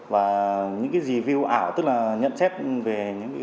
và những review ảo tức là nhận xét về những gái bán